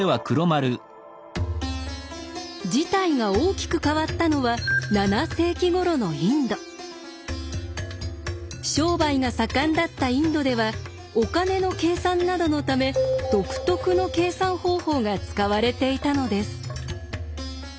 事態が大きく変わったのは商売が盛んだったインドではお金の計算などのため独特の計算方法が使われていたのです。